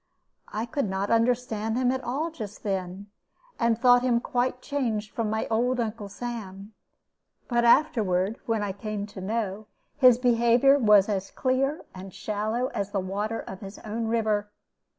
I could not understand him at all just then, and thought him quite changed from my old Uncle Sam; but afterward, when I came to know, his behavior was as clear and shallow as the water of his own river.